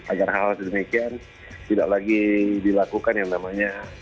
agar hal sedemikian tidak lagi dilakukan yang namanya